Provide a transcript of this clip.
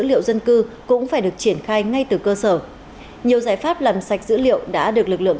liệu dân cư cũng phải được triển khai ngay từ cơ sở nhiều giải pháp làm sạch dữ liệu đã được lực lượng